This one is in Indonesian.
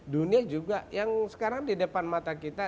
dunia juga yang sekarang di depan mata kita